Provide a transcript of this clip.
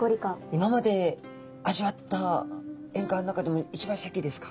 今まで味わったえんがわの中でも一番シャキですか？